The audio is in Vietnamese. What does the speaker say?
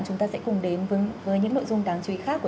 chúng ta sẽ cùng đến với những nội dung đáng chú ý khác